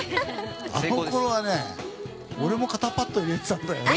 このころはね、俺も肩パット入れてたんだよね。